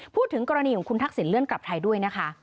พูดถึงกรณีของคุณทักษิณเลื่อนกลับไทยด้วยนะคะ